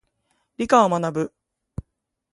理科を学ぶ。